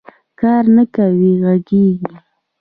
کار نه کوې غږېږې